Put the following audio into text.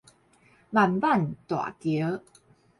萬板大橋